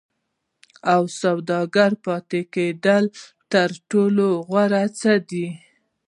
او سوداګرۍ پاتې کېدل تر ټولو غوره څه دي.